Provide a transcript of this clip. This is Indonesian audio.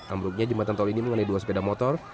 ambruknya jembatan tol ini mengenai dua sepeda motor